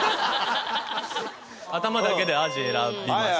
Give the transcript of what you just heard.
頭だけでアジ選びます。